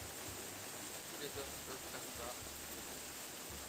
Tous les hommes peuvent faire ça à toutes les femmes.